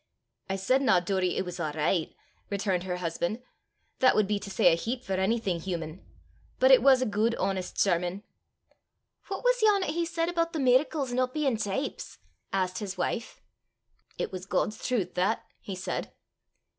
"I saidna, Doory, it was a' richt," returned her husband; "that would be to say a heap for onything human! but it was a guid honest sermon." "What was yon 'at he said aboot the mirracles no bein' teeps?" asked his wife. "It was God's trowth 'at," he said.